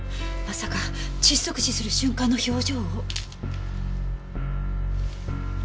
まさか窒息死する瞬間の表情を。